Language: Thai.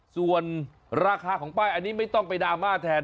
ส่วนราคาของป้ายอันนี้ไม่ต้องไปดราม่าแทน